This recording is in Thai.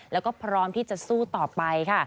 แล้วก็พร้อมที่จะสู้ต่อไปค่ะ